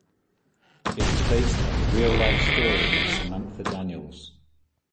It was based on the real-life story of Samantha Daniels.